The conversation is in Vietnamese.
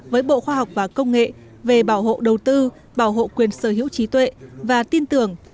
với bộ khoa học và công nghệ về bảo hộ đầu tư bảo hộ quyền sở hữu trí tuệ và tin tưởng